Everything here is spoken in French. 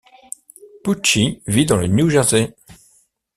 Pucci vit dans le New Jersey.